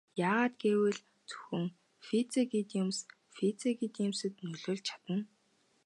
Яагаад гэвэл зөвхөн физик эд юмс физик эд юмсад нөлөөлж чадна.